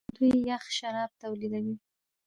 دوی یخ شراب تولیدوي.